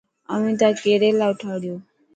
اوي تا ڪيريلا اوٺاڙيو.